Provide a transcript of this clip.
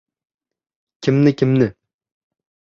— Kimni-kimni?